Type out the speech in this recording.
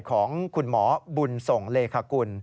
ของคุณหมอบุญส่งเลขากุล